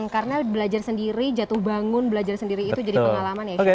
karena belajar sendiri jatuh bangun belajar sendiri itu jadi pengalaman ya chef ya